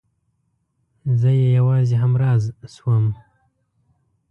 زه يې يوازې همراز شوم.